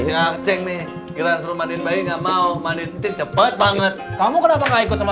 ngak ceng nih kirain suruh mandiin bayi enggak mau mandiin cepet banget kamu kenapa gak ikut sama